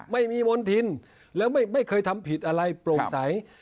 ไม่มีมณฑินแล้วไม่เคยทำผิดอะไรโปร่งใส